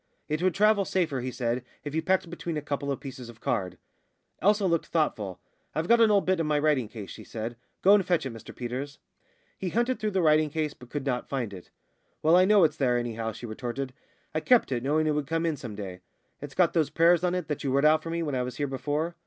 "It would travel safer," he said, "if you packed it between a couple of pieces of card." Elsa looked thoughtful. "I've got an old bit in my writing case," she said. "Go and fetch it, Mr Peters." He hunted through the writing case, but could not find it. "Well, I know it's there, anyhow," she retorted. "I kept it, knowing it would come in some day. It's got those prayers on it that you wrote out for me when I was here before."